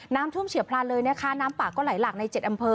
น้ำท่วมเฉียบพลานเลยนะคะน้ำปากก็ไหลหลักในเจ็ดอำเภอ